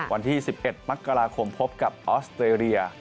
วันที่๑๑มกราคมพบกับออสเตรเลีย